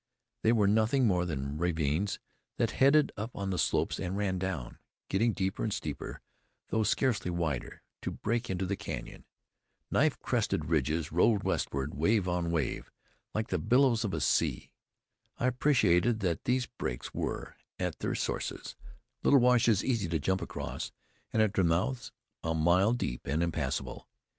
They were nothing more than ravines that headed up on the slopes and ran down, getting steeper and steeper, though scarcely wider, to break into the canyon. Knife crested ridges rolled westward, wave on wave, like the billows of a sea. I appreciated that these breaks were, at their sources, little washes easy to jump across, and at their mouths a mile deep and impassable.